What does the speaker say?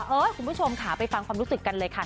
คุณผู้ชมค่ะไปฟังความรู้สึกกันเลยค่ะ